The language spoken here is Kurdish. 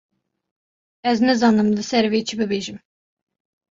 Ez nizanim li ser vê çi bibêjim.